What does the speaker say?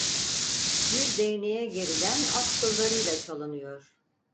Bir değneğe gerilen at kıllarıyla çalınıyor!